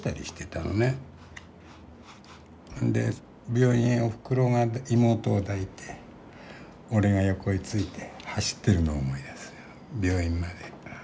病院へおふくろが妹を抱いて俺が横へ付いて走ってるのを思い出すよ病院まで。